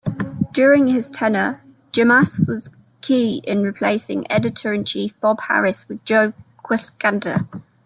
During his tenure, Jemas was key in replacing editor-in-chief Bob Harras with Joe Quesada.